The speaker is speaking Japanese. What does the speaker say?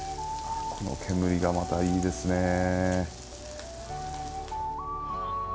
この煙がまたいいですね。